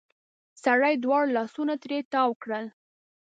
سړې دواړه لاسونه ترې تاو کړل.